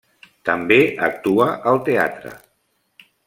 També actua al teatre.